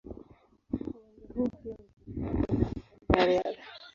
Uwanja huo pia hutumiwa kwa mikutano ya riadha.